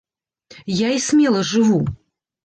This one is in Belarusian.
Я і смела жыву.